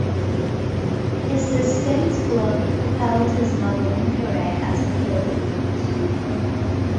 His distinct look propelled his modeling career at an early age.